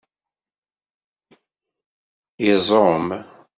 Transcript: Iẓum